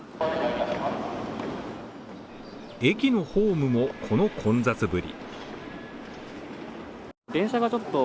駅のホームもこの混雑ぶり。